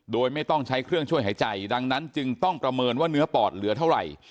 โดยไม่ต้องใช้เครื่องช่วยหายใจดังนั้นจึงต้องประเมินว่าเนื้อปอดเหลือเท่าไหร่